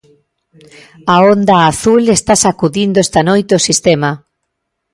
A onda a azul está sacudindo esta noite o sistema.